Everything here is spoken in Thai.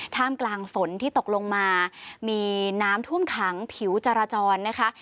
ท่ามกลางฝนที่ตกลงมามีน้ำท่วมขังผิวจราจรนะคะ